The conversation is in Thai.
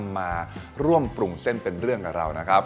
มาร่วมปรุงเส้นเป็นเรื่องกับเรานะครับ